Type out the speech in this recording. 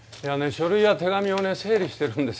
書類や手紙をね整理してるんですけどね。